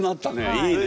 いいね。